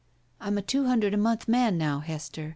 "I'm a two hundred a month man now, Hester.